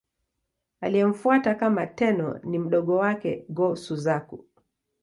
Aliyemfuata kama Tenno ni mdogo wake, Go-Suzaku.